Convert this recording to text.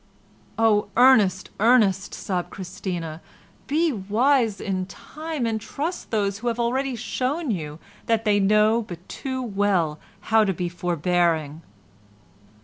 "Oh, Ernest, Ernest," sobbed Christina, "be wise in time, and trust those who have already shown you that they know but too well how to be forbearing."